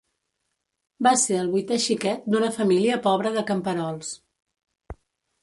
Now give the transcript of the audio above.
Va ser el vuitè xiquet d'una família pobra de camperols.